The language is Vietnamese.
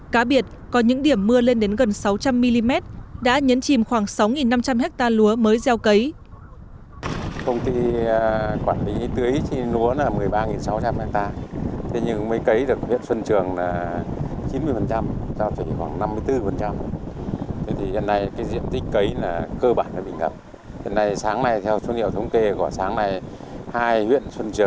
cá biệt có những điểm mưa lên đến gần sáu trăm linh mm đã nhấn chìm khoảng sáu năm trăm linh hectare lúa mới gieo cấy